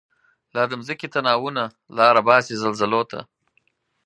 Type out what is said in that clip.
لا د مځکی تناوونه، لاره باسی زلزلوته